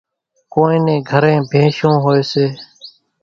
ڪونئين نين گھرين ڀينشون هوئيَ سي۔